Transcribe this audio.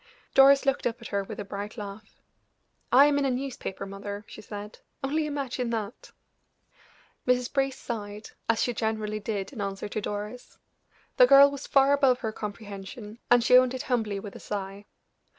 Doris looked up at her with a bright laugh. "I am in a newspaper, mother," she said, "only imagine that!" Mrs. Brace sighed, as she generally did in answer to Doris. The girl was far above her comprehension, and she owned it humbly with a sigh.